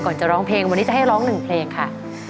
จะร้องเพลงวันนี้จะให้ร้องหนึ่งเพลงค่ะ